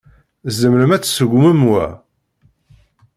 Tzemrem ad tseggmem wa?